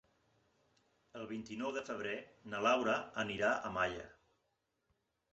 El vint-i-nou de febrer na Laura anirà a Malla.